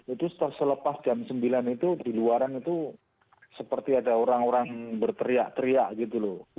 itu selepas jam sembilan itu di luaran itu seperti ada orang orang berteriak teriak gitu loh